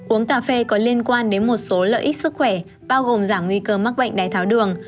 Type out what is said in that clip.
uống cà phê có liên quan đến một số lợi ích sức khỏe bao gồm giảm nguy cơ mắc bệnh đáy tháo đường